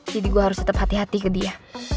jadi gue harus tetep hati hati ke dia